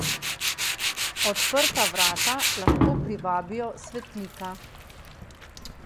Odprta vrata lahko privabijo svetnika.